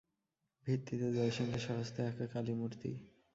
ভিত্তিতে জয়সিংহের স্বহস্তে আঁকা কালীমূর্তি।